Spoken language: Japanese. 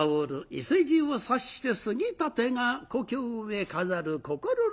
伊勢路を指して杉立が故郷へ飾る心の錦。